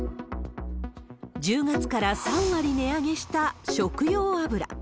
１０月から３割値上げした食用油。